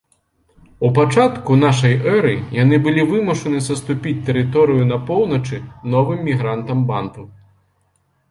У пачатку нашай эры яны былі вымушаны саступіць тэрыторыі на поўначы новым мігрантам-банту.